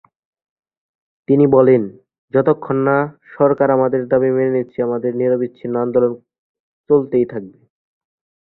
তিনি বলেন, "যতক্ষণ না সরকার আমাদের দাবী মেনে নিচ্ছে, আমাদের নিরবচ্ছিন্ন আন্দোলন চলতেই থাকবে।"